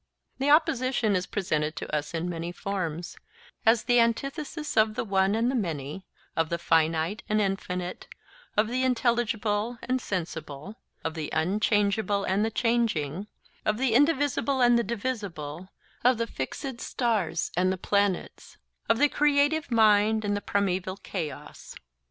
This opposition is presented to us in many forms, as the antithesis of the one and many, of the finite and infinite, of the intelligible and sensible, of the unchangeable and the changing, of the indivisible and the divisible, of the fixed stars and the planets, of the creative mind and the primeval chaos.